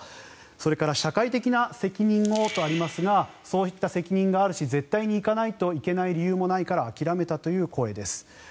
それから社会的な責任をとありますがそういった責任があるし絶対に行かないといけない理由もないから諦めたという声です。